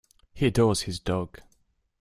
He adores his dog